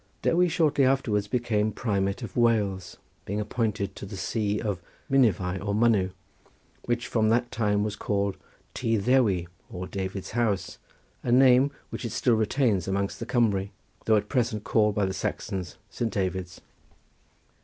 Dewi shortly afterwards became primate of Wales, being appointed to the see of Minevai or Mynyw, which from that time was called Ty Ddewi or David's House, a name which it still retains amongst the Cumry, though at present called by the Saxons Saint David's.